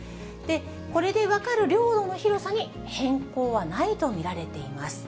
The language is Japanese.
これで分かる領土の広さに変更はないと見られています。